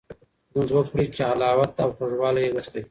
لمونځ وکړئ، چي حلاوت او خوږوالی ئې وڅکئ